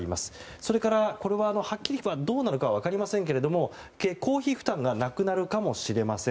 それからはっきりとはどうなるかは分かりませんが公費負担がなくなるかもしれません。